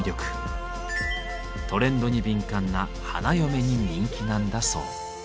トレンドに敏感な花嫁に人気なんだそう。